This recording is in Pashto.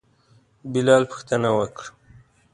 بلال پوښتنه وکړه.